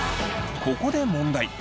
ここで問題。